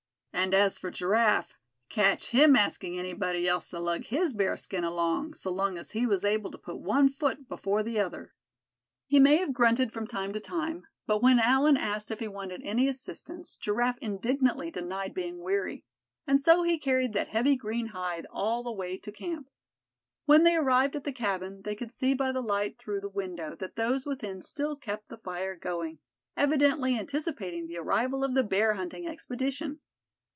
And as for Giraffe, catch him asking anybody else to lug his bearskin along, so long as he was able to put one foot before the other. He may have grunted from time to time; but when Allan asked if he wanted any assistance Giraffe indignantly denied being weary. And so he carried that heavy green hide all the way to camp. When they arrived at the cabin they could see by the light through the window that those within still kept the fire going, evidently anticipating the arrival of the bear hunting expedition.